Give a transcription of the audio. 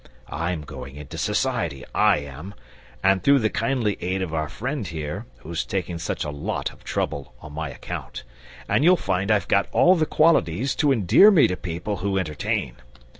I'm going into Society, I am, through the kindly aid of our friend here, who's taking such a lot of trouble on my account; and you'll find I've got all the qualities to endear me to people who entertain!